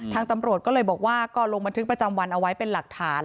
ตำรวจก็เลยบอกว่าก็ลงบันทึกประจำวันเอาไว้เป็นหลักฐาน